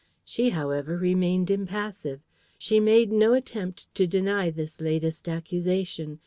She, however, remained impassive. She made no attempt to deny this latest accusation.